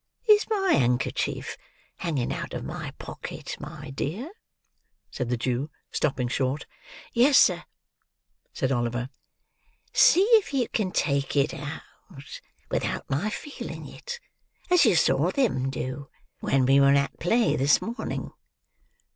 —Is my handkerchief hanging out of my pocket, my dear?" said the Jew, stopping short. "Yes, sir," said Oliver. "See if you can take it out, without my feeling it; as you saw them do, when we were at play this morning."